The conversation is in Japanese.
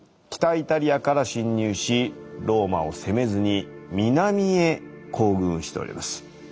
北イタリアから侵入しローマを攻めずに南へ行軍しております。